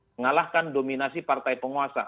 mengalahkan dominasi partai penguasa